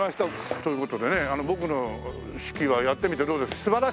という事でね僕の指揮はやってみてどうでした？